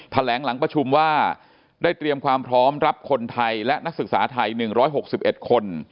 หลังประชุมว่าได้เตรียมความพร้อมรับคนไทยและนักศึกษาไทย๑๖๑คน